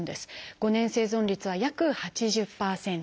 ５年生存率は約８０％。